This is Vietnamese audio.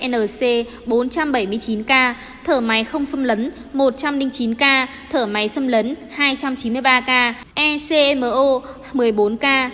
nc bốn trăm bảy mươi chín ca thở máy không xâm lấn một trăm linh chín ca thở máy xâm lấn hai trăm chín mươi ba ca ecmo một mươi bốn ca